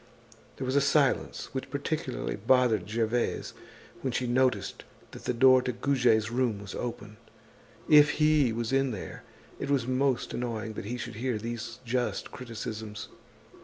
There was a silence which particularly bothered Gervaise when she noticed that the door to Goujet's room was open. If he was in there, it was most annoying that he should hear these just criticisms.